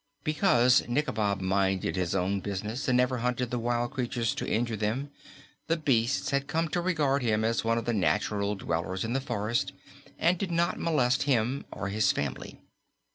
Because Nikobob minded his own business and never hunted the wild creatures to injure them, the beasts had come to regard him as one of the natural dwellers in the forest and did not molest him or his family.